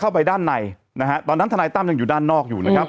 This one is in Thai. เข้าไปด้านในนะฮะตอนนั้นทนายตั้มยังอยู่ด้านนอกอยู่นะครับ